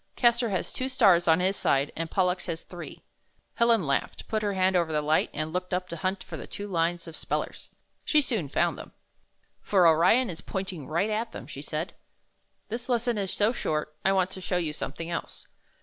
Castor has two stars on his side and Pollux has three." Helen laughed, put her hand over the light, 18 I found this on 19 and looked up to hunt for the two lines of spellers. She soon found them. "For Orion is pointing right at them," she said. "This lesson is so short, I want to show you something else.